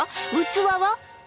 器は？